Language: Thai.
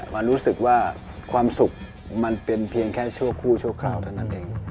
มารู้สึกว่าความสุขมันเป็นเพียงแค่ชั่วคู่ชั่วคราวเท่านั้นเอง